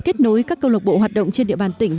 kết nối các cơ lộc bộ hoạt động trên địa bàn tỉnh